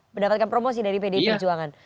mendapatkan promosi dari pdi perjuangan